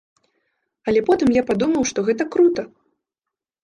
Але потым я падумаў, што гэта крута.